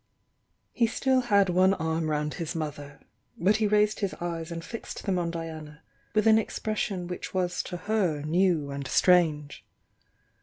He still had one arm round his mother, — but he raised his eyes and fixed them on Diana with an expression which was to her new and strange.